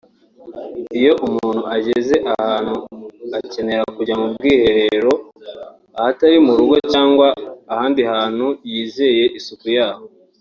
Iyo umuntu ageze ahantu akenera kujya mu bwiherero ahatari mu rugo cyangwa ahandi hantu yizeye isuku yaho